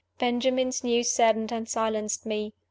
Benjamin's news saddened and silenced me.